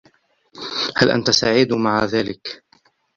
هل أنتَ سعيد مع ذلك؟